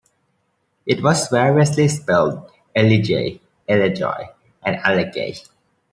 It was variously spelled "Ellijay", "Elejoy", and "Allagae".